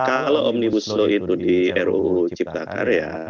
kalau omnibus law itu di ruu cipta karya